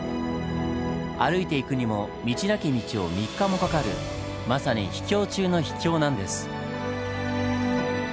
歩いて行くにも道なき道を３日もかかるまさに秘境中の秘境なんです。